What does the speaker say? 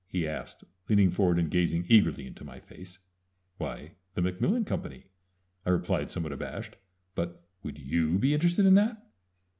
he asked, leaning forward and gazing eagerly into my face. "Why the Macmillan Company," I replied, somewhat abashed. "But would you be interested in that?"